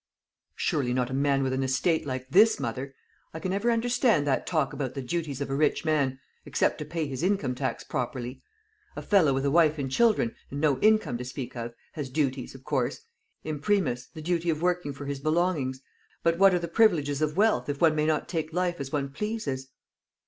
"Surely not a man with an estate like this, mother! I can never understand that talk about the duties of a rich man, except to pay his income tax properly. A fellow with a wife and children, and no income to speak of, has duties, of course imprimis, the duty of working for his belongings; but what are the privileges of wealth, if one may not take life as one pleases?"